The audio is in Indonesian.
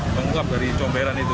menguap dari comberan itu